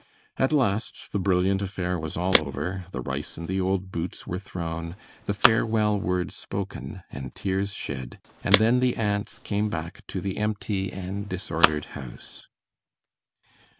At last the brilliant affair was all over, the rice and old boots were thrown, the farewell words spoken, and tears shed, and then the aunts came back to the empty and disordered house.